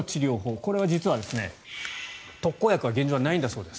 これは実は特効薬は現状はないんだそうです。